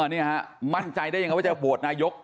นี่ฮะมั่นใจได้ยังไงว่าจะโหวตนายก